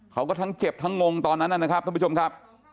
เขาก็ทั้งเจ็บทั้งงงตอนนั้นนะครับท่านผู้ชมครับ